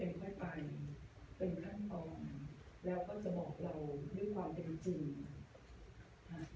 ให้เป็นค่อยไปเป็นขั้นต่อแล้วก็จะบอกเราด้วยความเป็นจริง